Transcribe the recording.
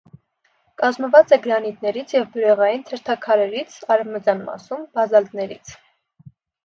Կազմված է գրանիտներից և բյուրեղային թերթաքարերից, արևմտյան մասում՝ բազալտներից։